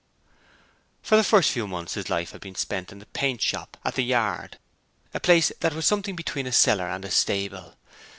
For the first few months his life had been spent in the paint shop at the yard, a place that was something between a cellar and a stable.